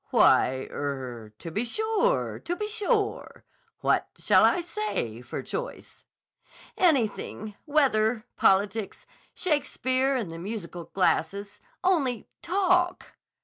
"Why—er—to be sure! To be sure! What shall I say, for choice?" "Anything. Weather. Politics. 'Shakespeare and the musical glasses.' Only, talk!"